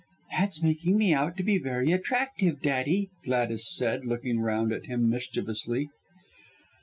"That's making me out to be very attractive, Daddy," Gladys said, looking round at him mischievously.